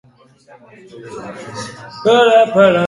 Berriro ere itsasoratu eta hego-ekialdera jo zuen.